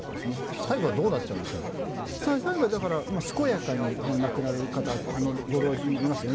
最後は健やかに亡くなる方、ご老人もいますよね。